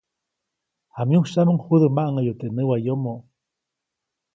Jamyusyaʼmuŋ judä maʼŋäyu teʼ näwayomo.